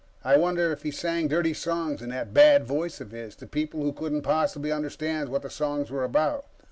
I wonder if he sang dirty songs in that bad voice of his, to people who couldn't possibly understand what the songs were about.